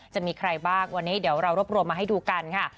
จะมีใครบ้างวันนี้เดี๋ยวเรารวบรวมมาให้ดูกันค่ะ